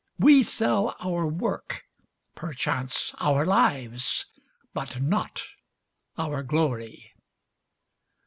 We sell our work—perchance our lives, But not our glory.